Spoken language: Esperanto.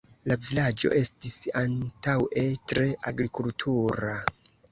La vilaĝo estis antaŭe tre agrikultura.